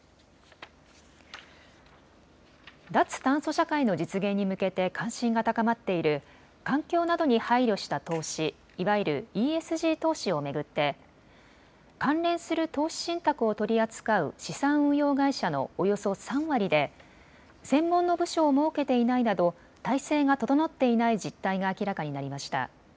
脱炭素社会の実現に向けて関心が高まっている環境などに配慮した投資いわゆるＥＳＧ投資を巡って関連する投資信託を取り扱う資産運用会社のおよそ３割で専門の部署を設けていないなど態勢が整っていない実態が明らかになりました。